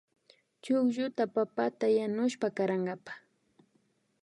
Chuklluta papata yanushpa karankapa